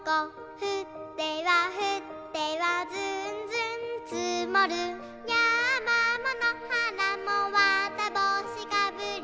「ふってはふってはずんずんつもる」「やまものはらもわたぼうしかぶり」